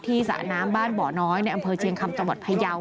สระน้ำบ้านบ่อน้อยในอำเภอเชียงคำจังหวัดพยาว